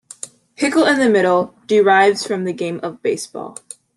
"Pickle in the middle" derives from the game of baseball.